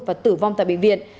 và tử vong tại bệnh viện